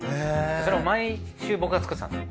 それを毎週僕が作ってたんです。